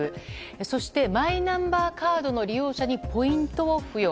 そしてマイナンバーカードの利用者にポイントを付与。